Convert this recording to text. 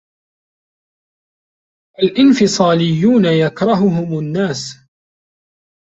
الإنفصاليون يكرههم كل الناس.